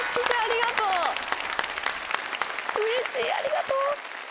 うれしいありがとう！